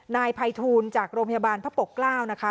นายภัยทูลจากโรงพยาบาลพระปกเกล้านะคะ